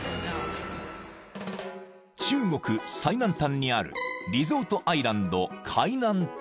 ［中国最南端にあるリゾートアイランド海南島］